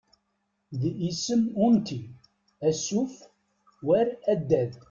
D isem unti, asuf, war addad.